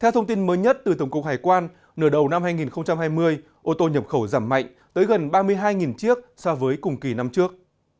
theo thông tin mới nhất từ tổng cục hải quan nửa đầu năm hai nghìn hai mươi ô tô nhập khẩu giảm mạnh tới gần ba mươi hai chiếc so với cùng kỳ năm trước